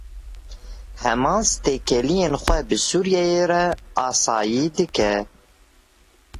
Hemas têkiliyên xwe bi Sûriyeyê re asayî dike.